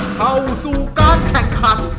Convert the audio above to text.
เข้าสู่การแข่งขัน